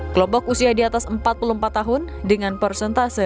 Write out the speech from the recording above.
kelompok usia di atas empat puluh empat tahun dengan persentase